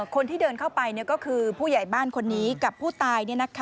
คนที่เดินเข้าไปก็คือผู้ใหญ่บ้านคนนี้กับผู้ตาย